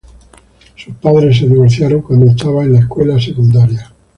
Sus padres se divorciaron cuando estaba en la escuela secundaria.